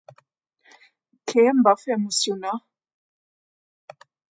Què em va fer emocionar?